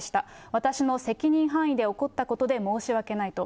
私の責任範囲で起こったことで申し訳ないと。